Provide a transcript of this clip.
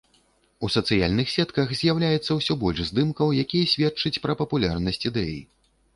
У сацыяльных сетках з'яўляецца ўсё больш здымкаў, якія сведчаць пра папулярнасць ідэі.